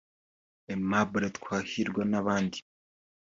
Aimable Twahirwa n’abandi